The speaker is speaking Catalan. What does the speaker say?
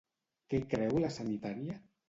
Què creu la sanitària?